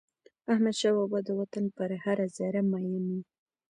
احمدشاه بابا د وطن پر هره ذره میین و.